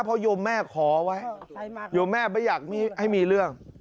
เพราะโยมแม่ขอไว้โยมแม่ไม่อยากให้มีเรื่อง